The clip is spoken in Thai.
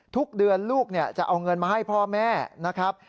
ทุกเดือนลูกจะเอาเงินมาให้พ่อแม่นะครับ